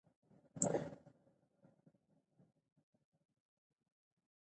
مېلې د ټولني د اتحاد او ورورولۍ نخښه ده.